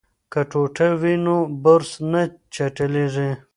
که ټوټه وي نو برس نه چټلیږي.